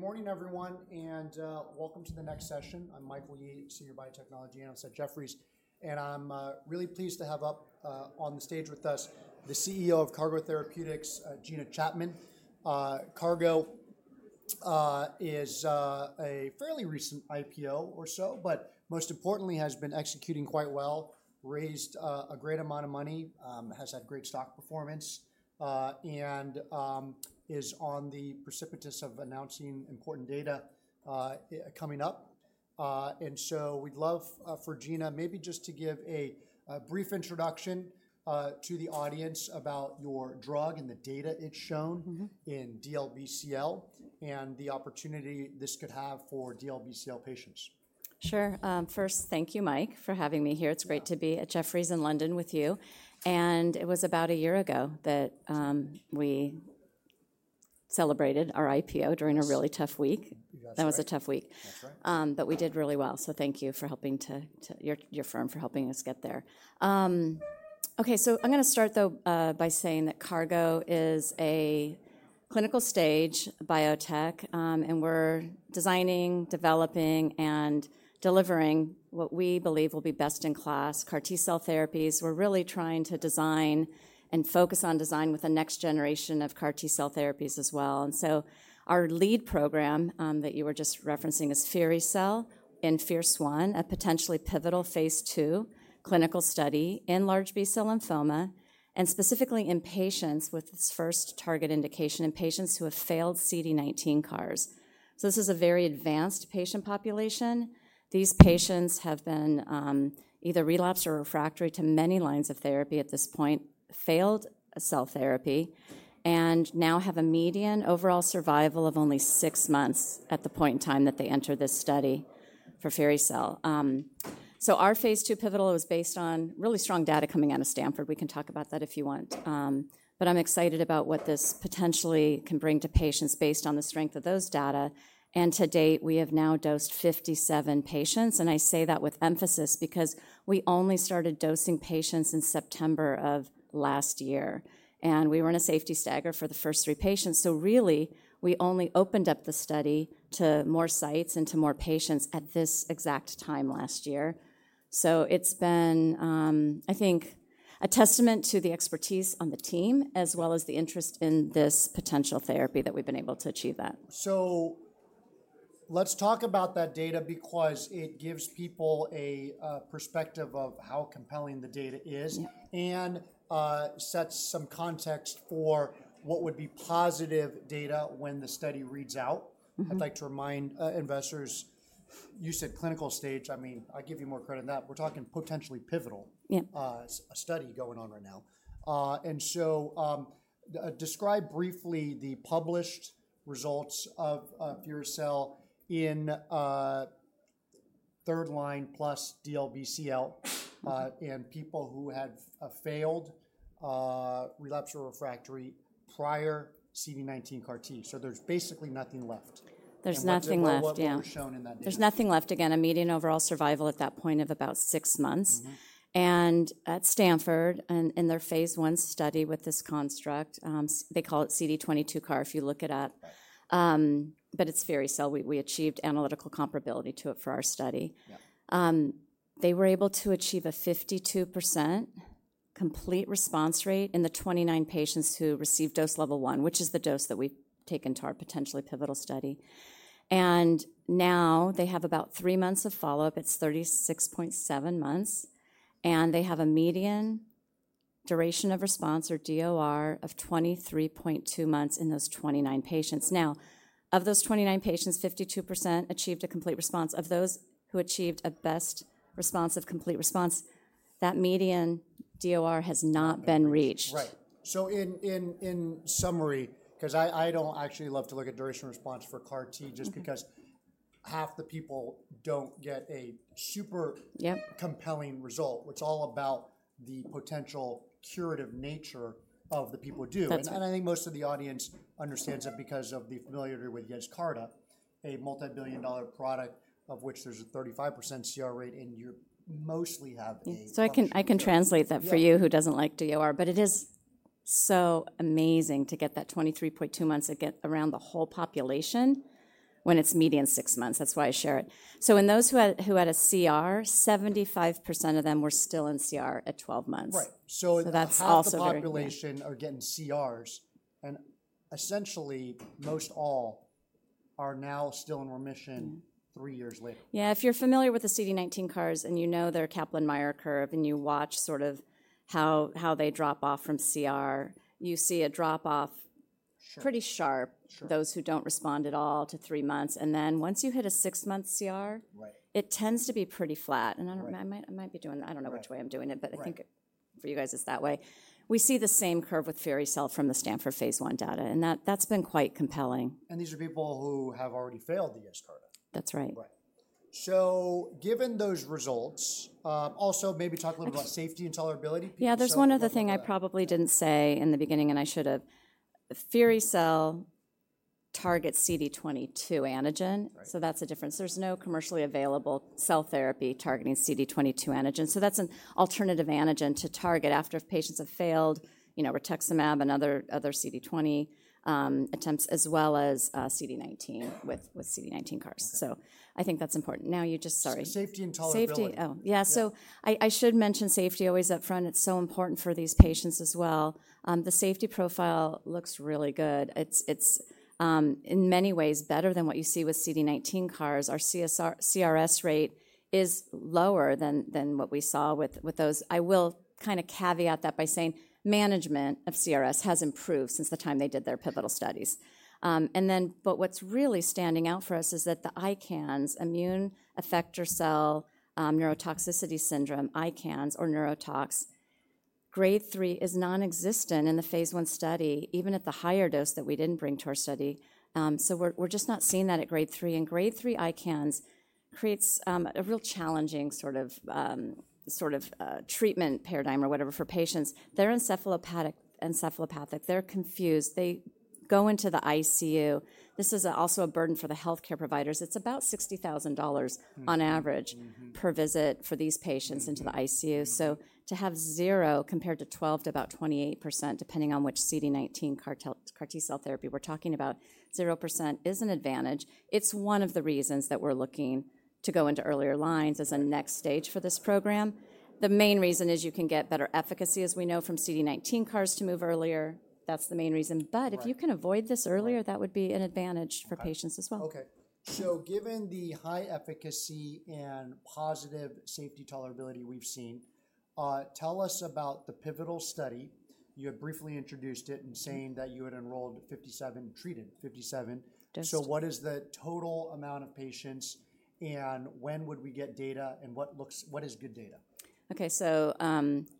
Good morning, everyone, and welcome to the next session. I'm Michael Yee, Senior Biotechnology Analyst at Jefferies, and I'm really pleased to have up on the stage with us the CEO of CARGO Therapeutics, Gina Chapman. CARGO is a fairly recent IPO or so, but most importantly, has been executing quite well, raised a great amount of money, has had great stock performance, and is on the precipice of announcing important data coming up. And so we'd love for Gina maybe just to give a brief introduction to the audience about your drug and the data it's shown in DLBCL and the opportunity this could have for DLBCL patients. Sure. First, thank you, Mike, for having me here. It's great to be at Jefferies in London with you, and it was about a year ago that we celebrated our IPO during a really tough week. That was a tough week, but we did really well, so thank you to your firm for helping us get there. Okay, so I'm going to start, though, by saying that CARGO is a clinical stage biotech, and we're designing, developing, and delivering what we believe will be best in class, CAR T-cell therapies. We're really trying to design and focus on design with a next generation of CAR T-cell therapies as well. And so our lead program that you were just referencing is firi-cel in FIRCE-1, a potentially pivotal Phase II clinical study in large B-cell lymphoma, and specifically in patients with this first target indication in patients who have failed CD19 CARs. So this is a very advanced patient population. These patients have been either relapsed or refractory to many lines of therapy at this point, failed cell therapy, and now have a median overall survival of only six months at the point in time that they enter this study for firi-cel. So our Phase II pivotal was based on really strong data coming out of Stanford. We can talk about that if you want. But I'm excited about what this potentially can bring to patients based on the strength of those data. And to date, we have now dosed 57 patients. And I say that with emphasis because we only started dosing patients in September of last year, and we were in a safety stagger for the first three patients. So really, we only opened up the study to more sites and to more patients at this exact time last year. So it's been, I think, a testament to the expertise on the team as well as the interest in this potential therapy that we've been able to achieve that. So let's talk about that data because it gives people a perspective of how compelling the data is and sets some context for what would be positive data when the study reads out. I'd like to remind investors, you said clinical stage. I mean, I give you more credit than that. We're talking potentially pivotal study going on right now. And so describe briefly the published results of firi-cel in third line plus DLBCL and people who had failed, relapsed, or refractory prior CD19 CAR-T. So there's basically nothing left. There's nothing left. What were shown in that data? There's nothing left. Again, a median overall survival at that point of about six months, and at Stanford, in their phase one study with this construct, they call it CD22 CAR if you look it up. But it's firi-cel. We achieved analytical comparability to it for our study. They were able to achieve a 52% complete response rate in the 29 patients who received dose level one, which is the dose that we take into our potentially pivotal study, and now they have about three months of follow-up. It's 36.7 months, and they have a median duration of response or DOR of 23.2 months in those 29 patients. Now, of those 29 patients, 52% achieved a complete response. Of those who achieved a best response of complete response, that median DOR has not been reached. Right. So in summary, because I don't actually love to look at duration response for CAR-T just because half the people don't get a super compelling result. It's all about the potential curative nature of the people do. And I think most of the audience understands that because of the familiarity with YESCARTA, a multibillion dollar product of which there's a 35% CR rate and you mostly have a CAR-T. So I can translate that for you who doesn't like DOR, but it is so amazing to get that 23.2 months to get around the whole population when it's median six months. That's why I share it. So in those who had a CR, 75% of them were still in CR at 12 months. Right. So in that population. Half the population are getting CRs and essentially most all are now still in remission three years later. Yeah. If you're familiar with the CD19 CARs and you know their Kaplan-Meier curve and you watch sort of how they drop off from CR, you see a drop off pretty sharp, those who don't respond at all to three months. Then once you hit a six-month CR, it tends to be pretty flat. I might be doing, I don't know which way I'm doing it, but I think for you guys it's that way. We see the same curve with firi-cel from the Stanford Phase I data, and that's been quite compelling. These are people who have already failed the YESCARTA? That's right. Right. So given those results, also maybe talk a little bit about safety and tolerability. Yeah, there's one other thing I probably didn't say in the beginning and I should have. Firi-cel targets CD22 antigen. So that's a difference. There's no commercially available cell therapy targeting CD22 antigen. So that's an alternative antigen to target after patients have failed rituximab and other CD20 attempts as well as CD19 with CD19 CARs. So I think that's important. Now you just, sorry. Safety and tolerability. Safety. Oh, yeah. So I should mention safety always up front. It's so important for these patients as well. The safety profile looks really good. It's in many ways better than what you see with CD19 CARs. Our CRS rate is lower than what we saw with those. I will kind of caveat that by saying management of CRS has improved since the time they did their pivotal studies. And then, but what's really standing out for us is that the ICANS, immune effector cell-associated neurotoxicity syndrome, ICANS or neurotox, grade three is nonexistent in the phase one study, even at the higher dose that we didn't bring to our study. So we're just not seeing that at grade three. And grade three ICANS creates a real challenging sort of treatment paradigm or whatever for patients. They're encephalopathic. They're confused. They go into the ICU. This is also a burden for the healthcare providers. It's about $60,000 on average per visit for these patients into the ICU. So to have zero compared to 12% to about 28%, depending on which CD19 CAR T-cell therapy we're talking about, 0% is an advantage. It's one of the reasons that we're looking to go into earlier lines as a next stage for this program. The main reason is you can get better efficacy, as we know, from CD19 CARs to move earlier. That's the main reason. But if you can avoid this earlier, that would be an advantage for patients as well. Okay. So given the high efficacy and positive safety tolerability we've seen, tell us about the pivotal study. You had briefly introduced it in saying that you had enrolled 57, treated 57. So what is the total amount of patients and when would we get data and what is good data? Okay, so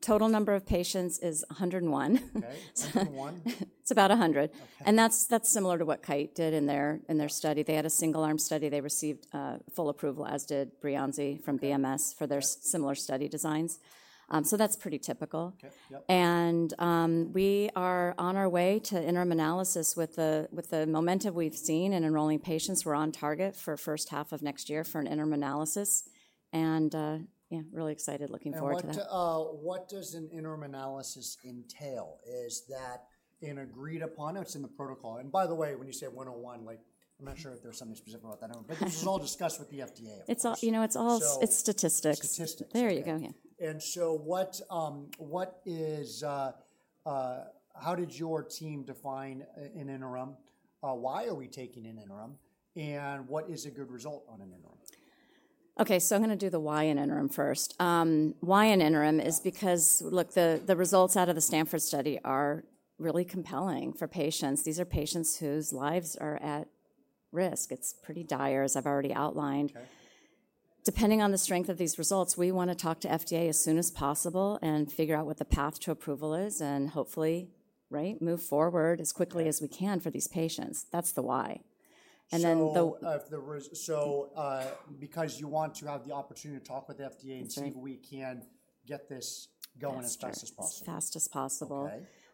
total number of patients is 101. Okay, 101. It's about 100. And that's similar to what Kite did in their study. They had a single arm study. They received full approval, as did BREYANZI from BMS for their similar study designs. So that's pretty typical. And we are on our way to interim analysis with the momentum we've seen in enrolling patients. We're on target for first half of next year for an interim analysis. And yeah, really excited, looking forward to that. What does an interim analysis entail? Is that an agreed upon? It's in the protocol. And by the way, when you say 101, like I'm not sure if there's something specific about that number, but this is all discussed with the FDA. You know, it's all statistics. Statistics. There you go. Yeah. And so how did your team define an interim? Why are we taking an interim? And what is a good result on an interim? Okay, so I'm going to do the why an interim first. Why an interim is because, look, the results out of the Stanford study are really compelling for patients. These are patients whose lives are at risk. It's pretty dire, as I've already outlined. Depending on the strength of these results, we want to talk to FDA as soon as possible and figure out what the path to approval is and hopefully, right, move forward as quickly as we can for these patients. That's the why. And then the. So because you want to have the opportunity to talk with the FDA and see if we can get this going as fast as possible. As fast as possible.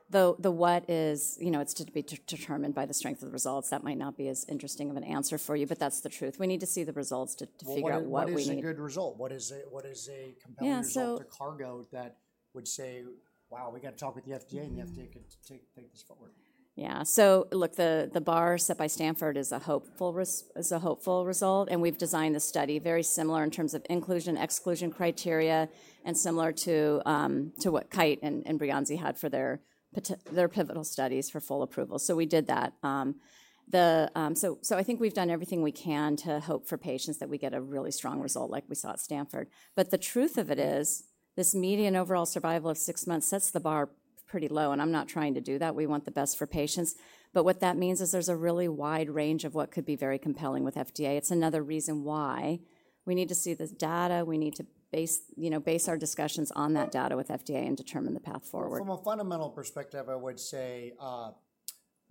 The what is, you know, it's to be determined by the strength of the results. That might not be as interesting of an answer for you, but that's the truth. We need to see the results to figure out what we need. What is a good result? What is a compelling result to CARGO that would say, wow, we got to talk with the FDA and the FDA could take this forward? Yeah. So look, the bar set by Stanford is a hopeful result. And we've designed the study very similar in terms of inclusion exclusion criteria and similar to what Kite and BREYANZI had for their pivotal studies for full approval. So we did that. So I think we've done everything we can to hope for patients that we get a really strong result like we saw at Stanford. But the truth of it is this median overall survival of six months sets the bar pretty low. And I'm not trying to do that. We want the best for patients. But what that means is there's a really wide range of what could be very compelling with FDA. It's another reason why we need to see the data. We need to base our discussions on that data with FDA and determine the path forward. From a fundamental perspective, I would say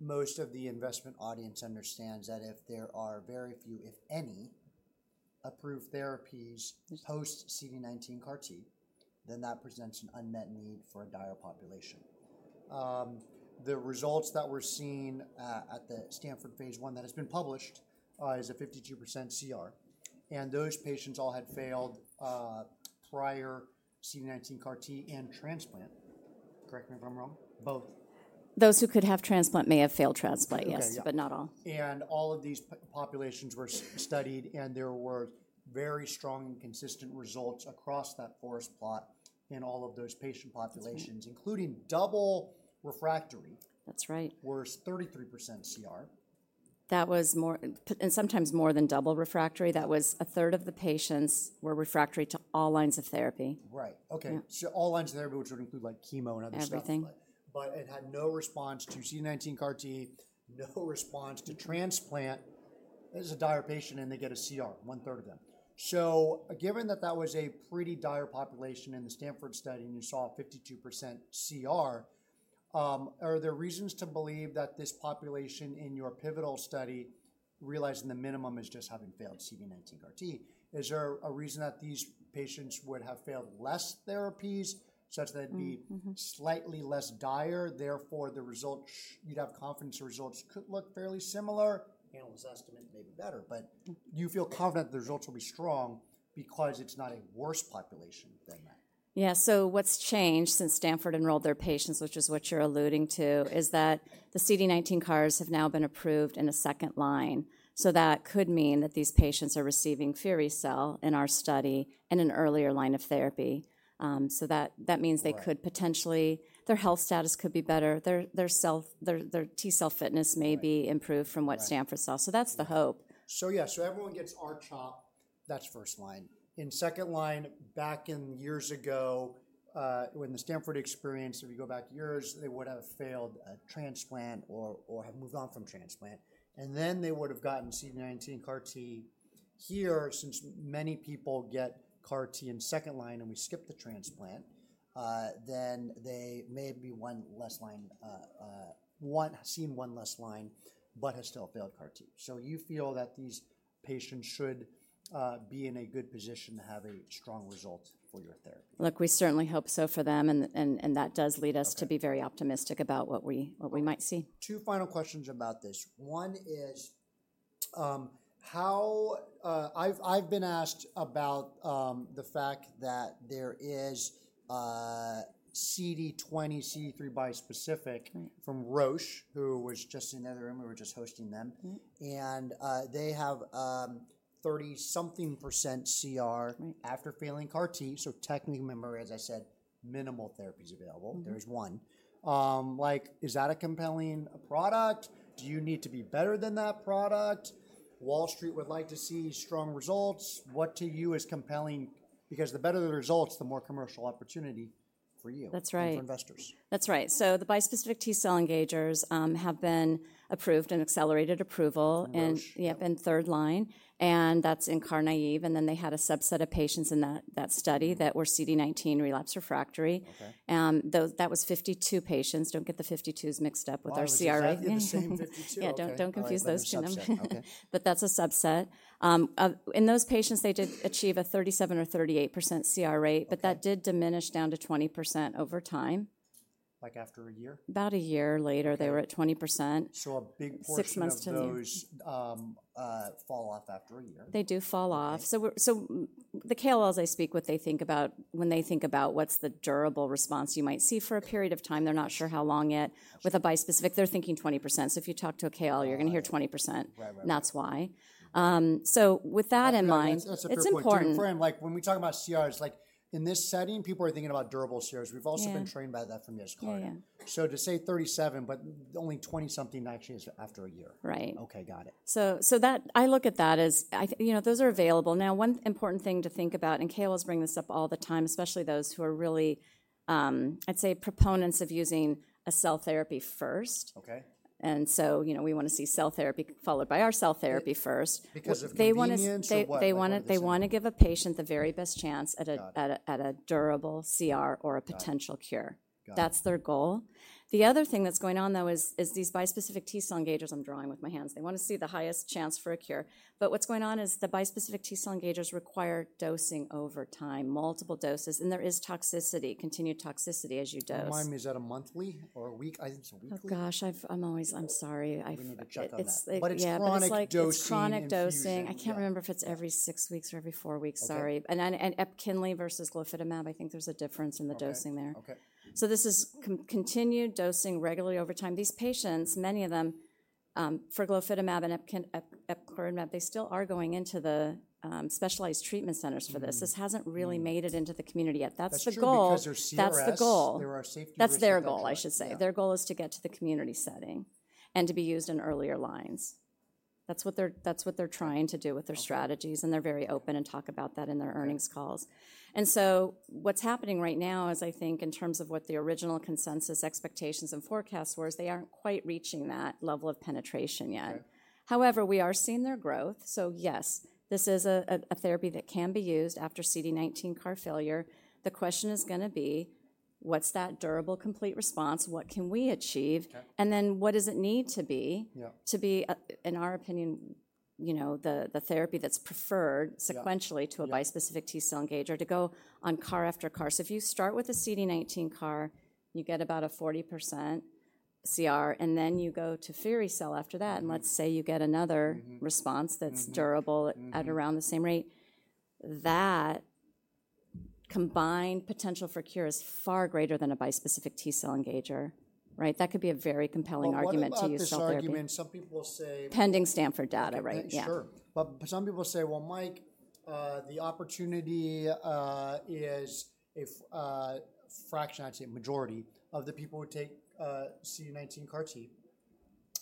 most of the investment audience understands that if there are very few, if any, approved therapies post CD19 CAR-T, then that presents an unmet need for a dire population. The results that we're seeing at the Stanford phase one that has been published is a 52% CR, and those patients all had failed prior CD19 CAR-T and transplant. Correct me if I'm wrong. Both. Those who could have transplant may have failed transplant, yes, but not all. All of these populations were studied and there were very strong and consistent results across that forest plot in all of those patient populations, including double refractory. That's right. We're 33% CR. That was more, and sometimes more than double refractory. That was a third of the patients were refractory to all lines of therapy. Right. Okay. So all lines of therapy, which would include like chemo and other stuff. Everything. But it had no response to CD19 CAR-T, no response to transplant. This is a dire patient and they get a CR, one third of them. So given that that was a pretty dire population in the Stanford study and you saw 52% CR, are there reasons to believe that this population in your pivotal study, realizing the minimum is just having failed CD19 CAR-T, is there a reason that these patients would have failed less therapies such that it'd be slightly less dire? Therefore, the result, you'd have confidence the results could look fairly similar. Analyst estimate may be better, but you feel confident the results will be strong because it's not a worse population than that. Yeah. So what's changed since Stanford enrolled their patients, which is what you're alluding to, is that the CD19 CARs have now been approved in a second line. So that could mean that these patients are receiving firi-cel in our study in an earlier line of therapy. So that means they could potentially, their health status could be better. Their T-cell fitness may be improved from what Stanford saw. So that's the hope. So yeah, so everyone gets R-CHOP. That's first line. In second line, back in years ago when the Stanford experience, if you go back years, they would have failed transplant or have moved on from transplant. And then they would have gotten CD19 CAR-T here. Since many people get CAR-T in second line and we skip the transplant, then they may be one less line, we've seen one less line, but have still failed CAR-T. So you feel that these patients should be in a good position to have a strong result for your therapy? Look, we certainly hope so for them, and that does lead us to be very optimistic about what we might see. Two final questions about this. One is how I've been asked about the fact that there is CD20, CD3 bispecific from Roche, who was just in the other room. We were just hosting them. And they have 30-something percent CR after failing CAR-T. So technically, as I said, minimal therapies available. There's one. Like, is that a compelling product? Do you need to be better than that product? Wall Street would like to see strong results. What to you is compelling? Because the better the results, the more commercial opportunity for you, for investors. That's right. That's right. So the bispecific T-cell engagers have been approved and accelerated approval and have been third line. And that's in CAR-naive. And then they had a subset of patients in that study that were CD19 relapse refractory. That was 52 patients. Don't get the 52s mixed up with our CR rate. That's the same 52. Yeah, don't confuse those two. But that's a subset. In those patients, they did achieve a 37% or 38% CR rate, but that did diminish down to 20% over time. Like after a year? About a year later, they were at 20%. A big portion of those fall off after a year. They do fall off, so the KOLs, I speak to what they think about when they think about what's the durable response you might see for a period of time. They're not sure how long yet. With a bispecific, they're thinking 20%, so if you talk to a KOL, you're going to hear 20%. And that's why, so with that in mind, it's important. That's a pretty interesting frame. Like when we talk about CRs, like in this setting, people are thinking about durable CRs. We've also been trained by that from the SCARA. So to say 37, but only 20 something actually is after a year. Right. Okay, got it. So I look at that as, you know, those are available. Now, one important thing to think about, and KOLs bring this up all the time, especially those who are really, I'd say, proponents of using a cell therapy first. And so, you know, we want to see cell therapy followed by our cell therapy first. Because of convenience. They want to give a patient the very best chance at a durable CR or a potential cure. That's their goal. The other thing that's going on, though, is these bispecific T-cell engagers I'm drawing with my hands. They want to see the highest chance for a cure. But what's going on is the bispecific T-cell engagers require dosing over time, multiple doses. And there is toxicity, continued toxicity as you dose. Remind me, is that a monthly or a week? Oh gosh, I'm always, I'm sorry. We need to check on that. But it's chronic dosing. Chronic dosing. I can't remember if it's every six weeks or every four weeks. Sorry, and EPKINLY versus glofitamab, I think there's a difference in the dosing there, so this is continued dosing regularly over time. These patients, many of them for glofitamab and EPKINLY, they still are going into the specialized treatment centers for this. This hasn't really made it into the community yet. That's the goal. That's because they're CRS. That's the goal. That's their goal, I should say. Their goal is to get to the community setting and to be used in earlier lines. That's what they're trying to do with their strategies. And they're very open and talk about that in their earnings calls. And so what's happening right now is I think in terms of what the original consensus expectations and forecasts were, they aren't quite reaching that level of penetration yet. However, we are seeing their growth. So yes, this is a therapy that can be used after CD19 CAR failure. The question is going to be, what's that durable complete response? What can we achieve? And then what does it need to be to be, in our opinion, you know, the therapy that's preferred sequentially to a bispecific T-cell engager to go on CAR after CAR? So if you start with a CD19 CAR, you get about a 40% CR, and then you go to firi-cel after that, and let's say you get another response that's durable at around the same rate, that combined potential for cure is far greater than a bispecific T-cell engager, right? That could be a very compelling argument to use cell therapy. That's what I mean. Some people will say. Pending Stanford data, right? Sure. But some people say, well, Mike, the opportunity is a fraction. I'd say a majority of the people who take CD19 CAR-T.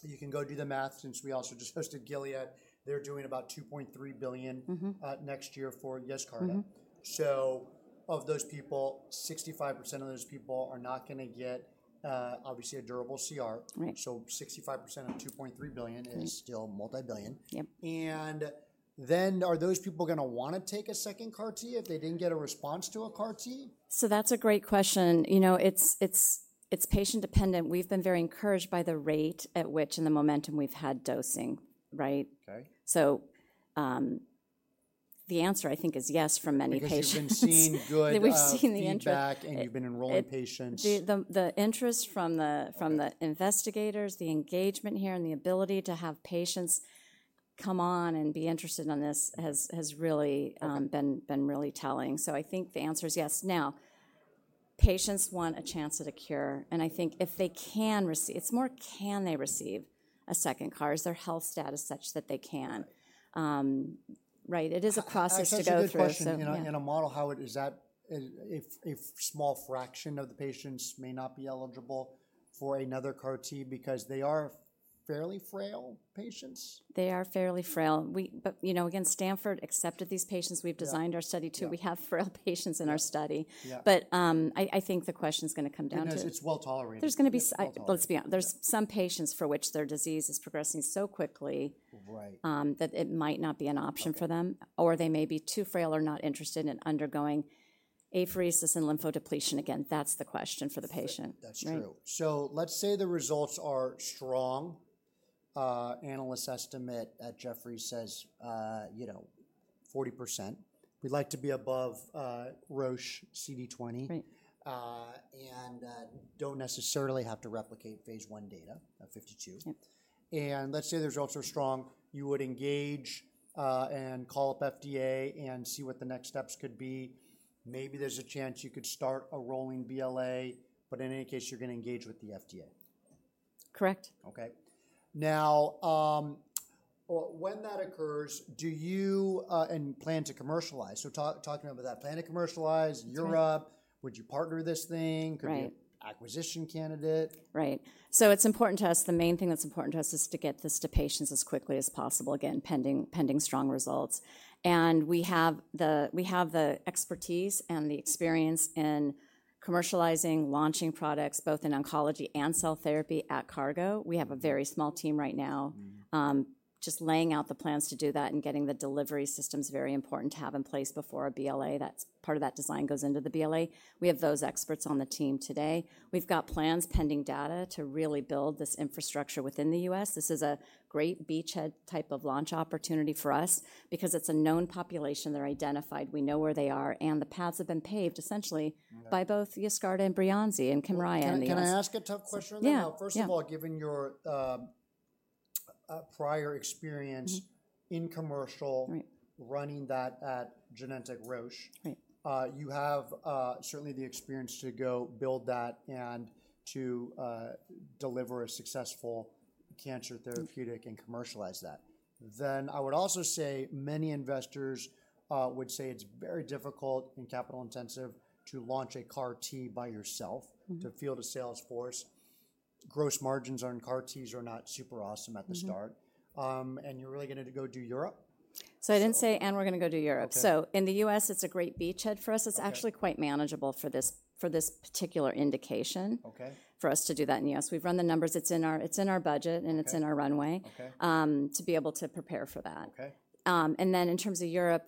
You can go do the math since we also just hosted Gilead. They're doing about $2.3 billion next year for YESCARTA. So of those people, 65% of those people are not going to get obviously a durable CR. So 65% of $2.3 billion is still multibillion. And then are those people going to want to take a second CAR-T if they didn't get a response to a CAR-T? So that's a great question. You know, it's patient dependent. We've been very encouraged by the rate at which and the momentum we've had dosing, right? So the answer, I think, is yes for many patients. Patients seen good impact and you've been enrolling patients. The interest from the investigators, the engagement here and the ability to have patients come on and be interested in this has really been telling. So I think the answer is yes. Now, patients want a chance at a cure, and I think if they can receive, it's more can they receive a second CAR? Is their health status such that they can? Right? It is a process to go through. That's a good question. In a model, how is that if a small fraction of the patients may not be eligible for another CAR-T because they are fairly frail patients? They are fairly frail. But you know, again, Stanford accepted these patients. We've designed our study too. We have frail patients in our study. But I think the question is going to come down to. It's well tolerated. There's going to be, let's be honest, there's some patients for which their disease is progressing so quickly that it might not be an option for them. Or they may be too frail or not interested in undergoing apheresis and lymphodepletion. Again, that's the question for the patient. That's true. So let's say the results are strong. Analyst estimate at Jefferies says, you know, 40%. We'd like to be above Roche CD20 and don't necessarily have to replicate Phase I data of 52%. And let's say there's also strong, you would engage and call up FDA and see what the next steps could be. Maybe there's a chance you could start a rolling BLA, but in any case, you're going to engage with the FDA. Correct. Okay. Now, when that occurs, do you plan to commercialize? So talking about that, plan to commercialize in Europe. Would you partner this thing? Could be acquisition candidate? Right. It's important to us. The main thing that's important to us is to get this to patients as quickly as possible, again, pending strong results, and we have the expertise and the experience in commercializing, launching products, both in oncology and cell therapy at CARGO. We have a very small team right now just laying out the plans to do that and getting the delivery systems very important to have in place before a BLA. That's part of that design goes into the BLA. We have those experts on the team today. We've got plans, pending data, to really build this infrastructure within the U.S. This is a great beachhead type of launch opportunity for us because it's a known population. They're identified. We know where they are, and the paths have been paved essentially by both YESCARTA and BREYANZI and KYMRIAH. Can I ask a tough question? Yeah. First of all, given your prior experience in commercial, running that at Genentech, Roche, you have certainly the experience to go build that and to deliver a successful cancer therapeutic and commercialize that. Then I would also say many investors would say it's very difficult and capital intensive to launch a CAR-T by yourself to field a sales force. Gross margins on CAR-Ts are not super awesome at the start. And you're really going to go do Europe? So, I didn't say, and we're going to go do Europe. So in the U.S., it's a great beachhead for us. It's actually quite manageable for this particular indication for us to do that in the U.S. We've run the numbers. It's in our budget and it's in our runway to be able to prepare for that. And then in terms of Europe,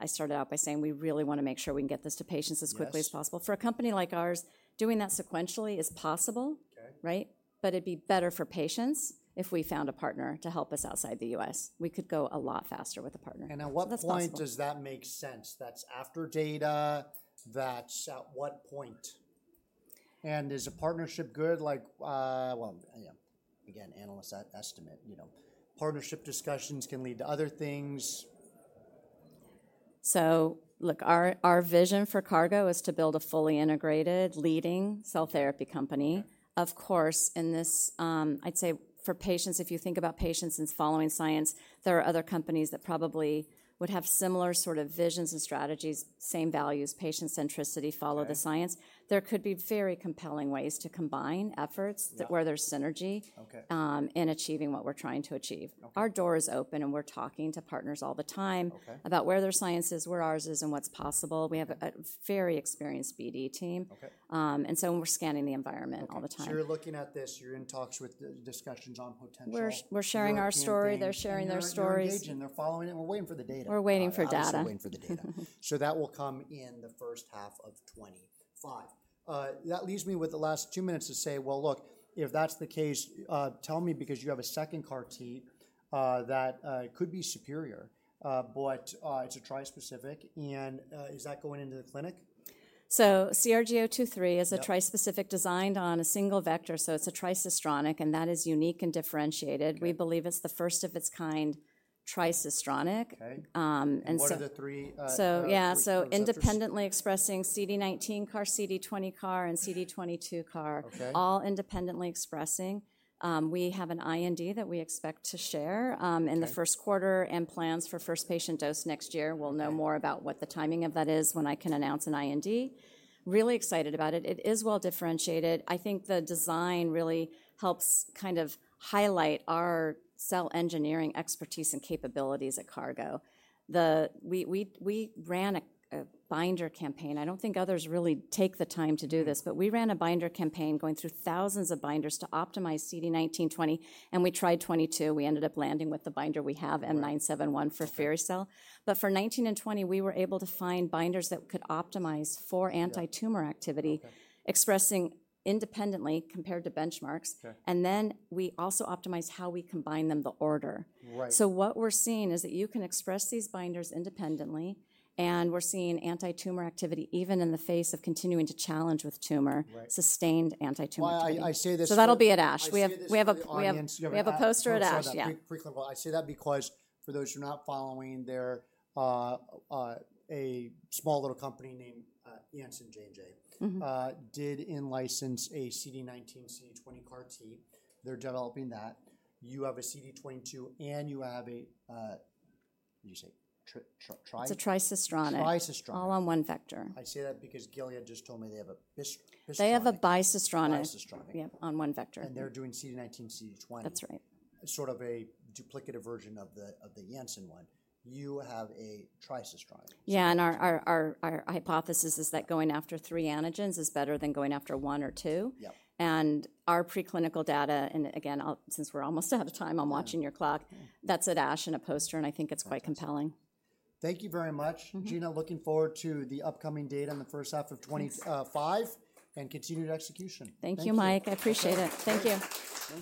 I started out by saying we really want to make sure we can get this to patients as quickly as possible. For a company like ours, doing that sequentially is possible, right? But it'd be better for patients if we found a partner to help us outside the U.S. We could go a lot faster with a partner. And at what point does that make sense? That's after data. That's at what point? And is a partnership good? Like, well, yeah, again, analyst estimate, you know, partnership discussions can lead to other things. So look, our vision for CARGO is to build a fully integrated leading cell therapy company. Of course, in this, I'd say for patients, if you think about patients and following science, there are other companies that probably would have similar sort of visions and strategies, same values, patient centricity, follow the science. There could be very compelling ways to combine efforts where there's synergy in achieving what we're trying to achieve. Our door is open and we're talking to partners all the time about where their science is, where ours is, and what's possible. We have a very experienced BD team. And so we're scanning the environment all the time. So you're looking at this. You're in talks with discussions on potential. We're sharing our story. They're sharing their stories. They're following the region. They're following it. We're waiting for the data. We're waiting for data. We're just waiting for the data. So that will come in the first half of 2025. That leaves me with the last two minutes to say, well, look, if that's the case, tell me because you have a second CAR-T that could be superior, but it's a tricistronic, and is that going into the clinic? CRG-023 is a trispecific designed on a single vector. It's a tricistronic and that is unique and differentiated. We believe it's the first of its kind tricistronic. Okay. What are the three? So yeah, so independently expressing CD19 CAR, CD20 CAR, and CD22 CAR, all independently expressing. We have an IND that we expect to share in the first quarter and plans for first patient dose next year. We'll know more about what the timing of that is when I can announce an IND. Really excited about it. It is well differentiated. I think the design really helps kind of highlight our cell engineering expertise and capabilities at CARGO. We ran a binder campaign. I don't think others really take the time to do this, but we ran a binder campaign going through thousands of binders to optimize CD19, CD20, and we tried CD22. We ended up landing with the binder we have, m971 for firi-cel. But for CD19 and CD20, we were able to find binders that could optimize for antitumor activity expressing independently compared to benchmarks. And then we also optimized how we combine them, the order. So what we're seeing is that you can express these binders independently and we're seeing antitumor activity even in the face of continuing to challenge with tumor, sustained antitumor activity. I say this. So that'll be at ASH. We have a poster at ASH. I say that because for those who are not following, there's a small little company named Janssen. J&J did in-license a CD19, CD20 CAR-T. They're developing that. You have a CD22 and you have a, what'd you say? It's a tricistronic. Tricistronic. All on one vector. I say that because Gilead just told me they have a bicistronic. They have a bicistronic. Bicistronic. Yeah, on one vector. They're doing CD19, CD20. That's right. Sort of a duplicative version of the Janssen one. You have a tricistronic. Yeah, and our hypothesis is that going after three antigens is better than going after one or two. And our preclinical data, and again, since we're almost out of time, I'm watching your clock, that's at ASH in a poster and I think it's quite compelling. Thank you very much, Gina. Looking forward to the upcoming data in the first half of 2025 and continued execution. Thank you, Mike. I appreciate it. Thank you.